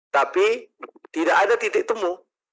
tapi tidak ada titik temu